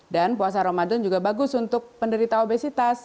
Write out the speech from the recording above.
dan puasa ramadan juga bagus untuk penderita obesitas